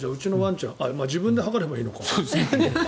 でも自分で測ればいいのか。